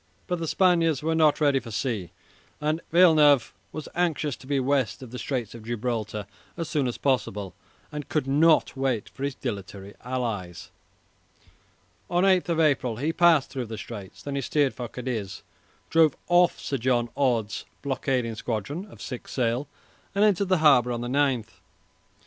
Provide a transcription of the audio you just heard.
But the Spaniards were not ready for sea, and Villeneuve was anxious to be west of the Straits of Gibraltar as soon as possible, and could not wait for his dilatory allies. On 8 April he passed through the Straits. Then he steered for Cadiz, drove off Sir John Orde's blockading squadron of six sail, and entered the harbour on the 9th.